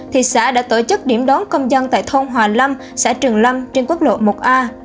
thị xã đã tổ chức điểm đón công dân tại thôn hòa lâm xã trường lâm trên quốc lộ một a